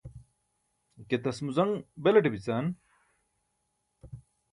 ike tasmuzaṅ belaṭe bican?